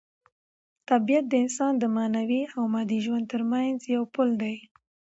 طبیعت د انسان د معنوي او مادي ژوند ترمنځ یو پل دی.